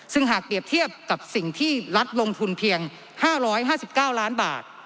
ซึ่งหากเปรียบเทียบกับสิ่งที่รัฐลงทุนเพียง๕๕๙ล้านบาท